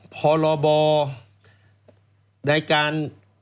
พรบในการ